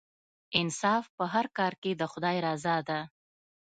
انصاف په هر کار کې د خدای رضا ده.